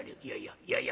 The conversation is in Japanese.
いやいや。